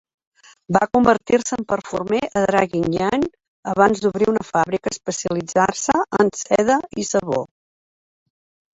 Va convertir-se en perfumer a Draguignan abans d'obrir una fàbrica especialitzant-se en seda i sabó.